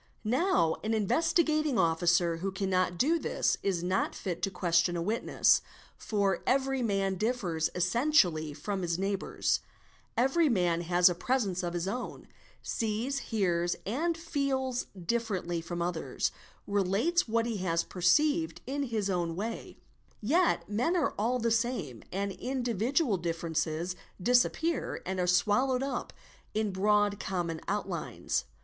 Now an Investigating Officer who cannot do this is not fit to question a witness, for every man differs essentially from his neigh — bours; every man has a presence of his own, sees, hears, and feels differently from others, relates what he has perceived in his own way ; yet men are all the same and individual differences disappear and are swallowed up in broad common outlines.